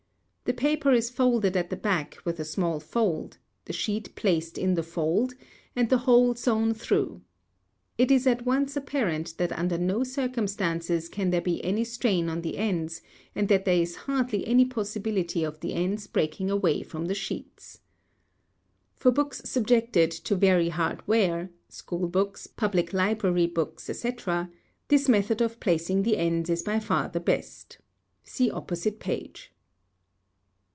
The paper is folded at the back with a small fold, the sheet placed in the fold, and the whole sewn through. It is at once apparent that under no circumstances can there be any strain on the ends, and that there is hardly any possibility of the ends breaking away from the sheets. For books subjected to very hard wear (school books, public library books, etc.) this method of placing the ends is by far the best. See opposite page.